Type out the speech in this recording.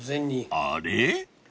［あれ？］